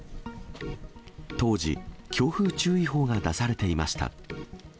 当時、強風注意報が出されていました。